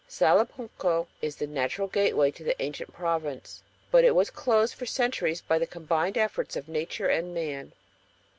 Salapunco is the natural gateway to the ancient province, but it was closed for centuries by the combined efforts of nature and man.